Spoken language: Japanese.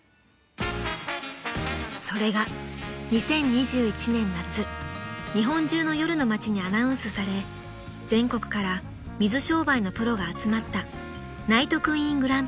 ［それが２０２１年夏日本中の夜の街にアナウンスされ全国から水商売のプロが集まったＮＩＧＨＴＱＵＥＥＮグランプリ］